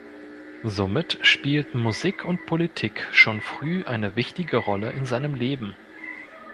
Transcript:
Somit spielten Musik und Politik schon früh eine wichtige Rolle in seinem Leben.